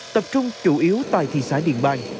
tập trung chủ yếu tại thị xã điện bang